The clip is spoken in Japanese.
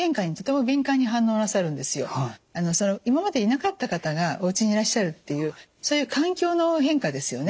今までいなかった方がおうちにいらっしゃるというそういう環境の変化ですよね。